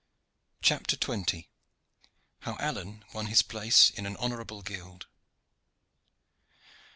CHAPTER XX. HOW ALLEYNE WON HIS PLACE IN AN HONORABLE GUILD.